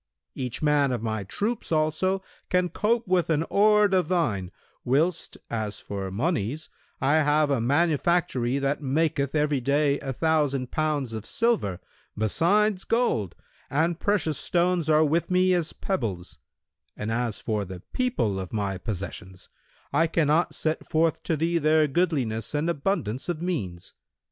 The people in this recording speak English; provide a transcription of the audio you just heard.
Each man of my troops also can cope with an horde of thine, whilst, as for monies I have a manufactory that maketh every day a thousand pounds of silver, besides gold, and precious stones are with me as pebbles; and as for the people of my possessions I cannot set forth to thee their goodliness and abundance of means.